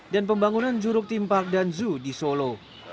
dan pembangunan juruk timpak dan zoo di solo